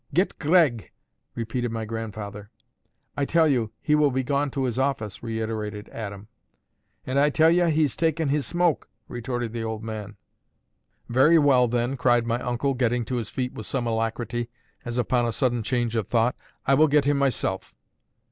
"Get Gregg!" repeated my grandfather. "I tell you, he will be gone to his office," reiterated Adam. "And I tell ye, he's takin' his smoke," retorted the old man. "Very well, then," cried my uncle, getting to his feet with some alacrity, as upon a sudden change of thought, "I will get him myself."